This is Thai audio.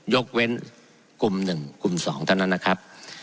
ยกเว้นกลุ่ม๑กลุ่ม๒เท่านั้นนะครับ